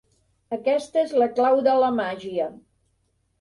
Aquesta és la clau de la màgia.